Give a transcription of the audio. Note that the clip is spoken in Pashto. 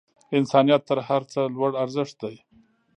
انسانیت تر هر څه لوړ ارزښت دی.